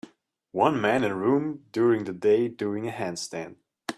One man in a room during the day doing a handstand.